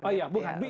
oh iya bukan